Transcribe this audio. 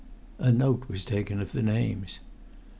A note was taken of the names.